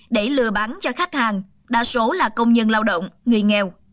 để lừa bắn cho khách hàng đa số là công nhân lao động người nghèo